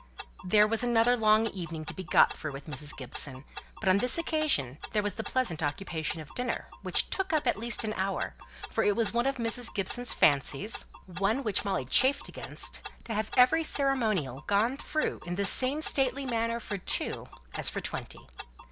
There was another long evening to be got through with Mrs. Gibson; but on this occasion there was the pleasant occupation of dinner, which took up at least an hour; for it was one of Mrs. Gibson's fancies one which Molly chafed against to have every ceremonial gone through in the same stately manner for two as for twenty.